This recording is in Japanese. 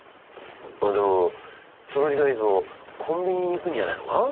でもその時間いつもコンビニに行くんじゃないのか？